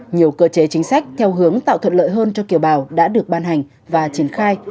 nhiều cơ chế chính sách theo hướng tạo thuận lợi hơn cho kiều bào đã được ban hành và triển khai